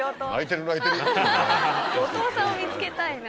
後藤さんを見つけたいな。